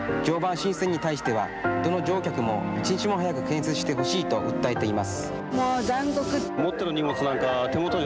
常磐新線に対しては、どの乗客も一日も早く建設してほしいと訴えています。